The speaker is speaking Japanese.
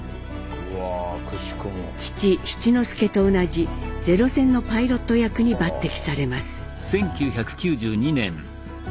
父・七之助と同じゼロ戦のパイロット役に抜擢されます。